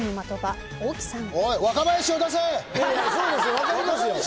分かりますよ。